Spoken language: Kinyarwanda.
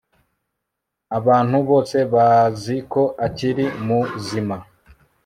Abantu bose bazi ko akiri muzima